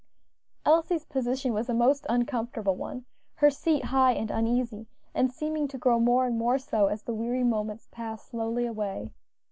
Elsie's position was a most uncomfortable one; her seat high and uneasy, and seeming to grow more and more so as the weary moments passed slowly away.